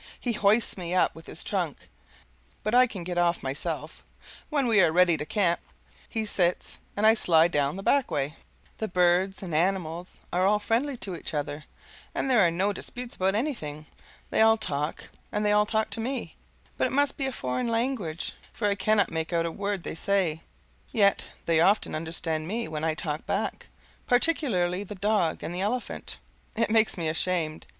He hoists me up with his trunk, but I can get off myself; when we are ready to camp, he sits and I slide down the back way. The birds and animals are all friendly to each other, and there are no disputes about anything. They all talk, and they all talk to me, but it must be a foreign language, for I cannot make out a word they say; yet they often understand me when I talk back, particularly the dog and the elephant. It makes me ashamed.